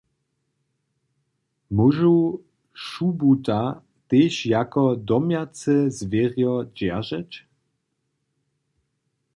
Móžu šubuta tež jako domjace zwěrjo dźeržeć?